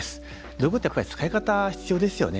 道具って使い方必要ですよね。